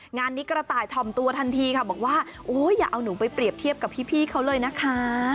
งานนี้กระต่ายถ่อมตัวทันทีค่ะบอกว่าโอ้ยอย่าเอาหนูไปเปรียบเทียบกับพี่เขาเลยนะคะ